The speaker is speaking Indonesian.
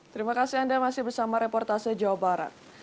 terima kasih anda masih bersama reportase jawa barat